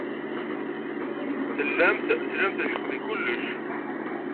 Tellamt tlamt lḥeqq deg kullec.